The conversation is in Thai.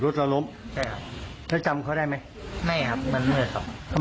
รถเราล้มใช่ครับแล้วจำเขาได้ไหมไม่ครับมันมืดครับ